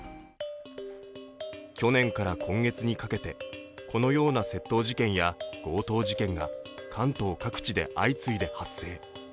去年から今月にかけてこのような窃盗事件や強盗事件が関東各地で相次いで発生。